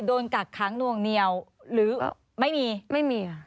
โดนกักค้างนวงเนียวหรือไม่มีค่ะไม่มี